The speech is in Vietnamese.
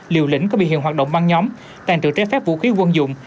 liều lĩnh có bị hiện hoạt động băng nhóm tàng trữ triết phép vũ khí quân dụng